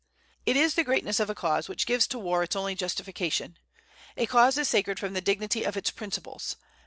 It is the greatness of a cause which gives to war its only justification. A cause is sacred from the dignity of its principles.